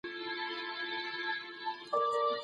وا په څېر ډېر ارزښت لري.